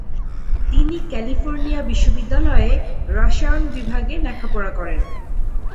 তিনি ক্যালিফোর্নিয়া বিশ্ববিদ্যালয়ে রসায়ন বিভাগে লেখাপড়া করেন।